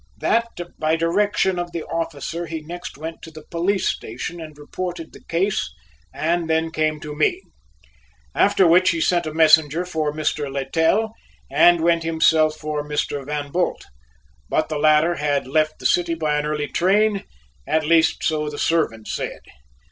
That by direction of the officer he next went to the police station and reported the case, and then came to me. After which he sent a messenger for Mr. Littell and went himself for Mr. Van Bult, but the latter had left the city by an early train, at least so the servant said.